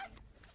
saya sudah biasa